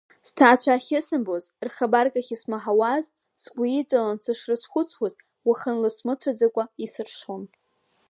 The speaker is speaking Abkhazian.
Сҭаацәа ахьысымбоз, рхабарк ахьысмаҳауаз, сгәы иҵаланы сышрызхәыцуаз уахынла смыцәаӡакәа исыршон.